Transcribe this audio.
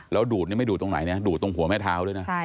แล้วดูดนี่ไม่ดูดตรงไหนนะดูดตรงหัวแม่เท้าด้วยนะ